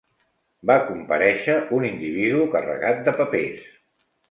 Va comparèixer un individu carregat de papers.